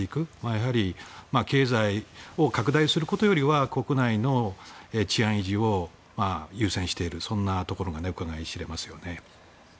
やはり経済を拡大することよりは国内の治安維持を優先しているそんなところがうかがい知れますよね。